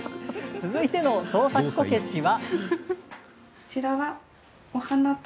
続いての創作こけしは。